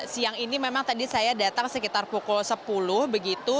siang ini memang tadi saya datang sekitar pukul sepuluh begitu